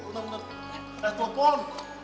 neng neng neng eh telepon